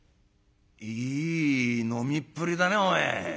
「いい飲みっぷりだねお前。